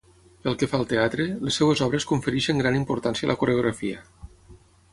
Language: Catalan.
Pel que fa al teatre, les seves obres confereixen gran importància a la coreografia.